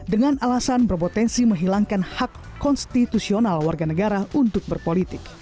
dengan alasan berpotensi menghilangkan hak konstitusional warga negara untuk berpolitik